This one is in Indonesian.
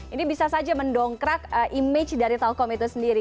ini bisa saja mendongkrak image dari telkom itu sendiri